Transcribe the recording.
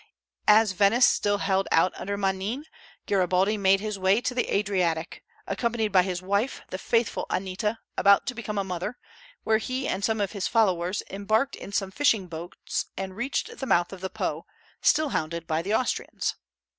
As Venice still held out under Manin, Garibaldi made his way to the Adriatic, accompanied by his wife, the faithful Anita, about to become a mother, where he and some of his followers embarked in some fishing boats and reached the mouth of the Po, still hounded by the Austrians.